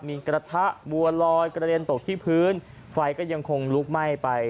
มีกระทะบัวลอยกระเด็นตกที่พื้นไฟก็ยังคงลุกไหม้ไป